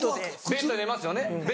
ベッドで寝ますよね。